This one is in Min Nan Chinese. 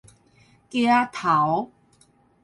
橋仔頭